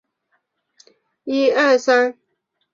导数常用来找函数的极值。